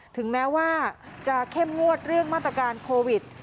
ถึงแม้ว่าจะเข้มงวดเรื่องมาตรการโควิด